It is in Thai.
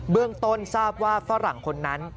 เรื่องต้นทราบว่าฝรั่งคนนั้น